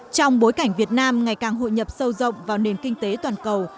trong bối cảnh việt nam ngày càng hội nhập sâu rộng vào nền kinh tế toàn cầu